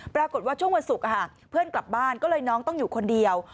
ปรากฏว่าช่วงวันศุกร์เพื่อนกลับบ้านก็เลยน้องต้องอยู่คนเดียว